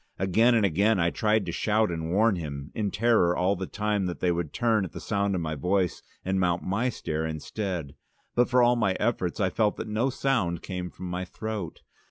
Again and again I tried to shout and warn him, in terror all the time that they would turn at the sound of my voice and mount my stair instead, but for all my efforts I felt that no sound came from my throat.